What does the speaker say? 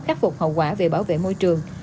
khắc phục hậu quả về bảo vệ môi trường